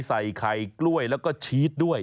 ใส่ไข่กล้วยแล้วก็ชีสด้วย